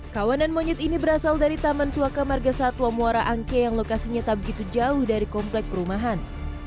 kawanan monyet ini berasal dari taman suaka marga satwa muara angke yang lokasinya tak begitu jauh dari komplek perumahan